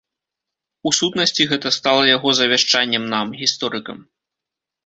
У сутнасці, гэта стала яго завяшчаннем нам, гісторыкам.